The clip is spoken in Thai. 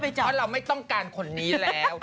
เพราะเราไม่ต้องการคนนี้แล้ว